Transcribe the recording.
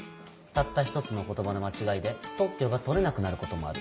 たった一つの言葉の間違いで特許が取れなくなることもある。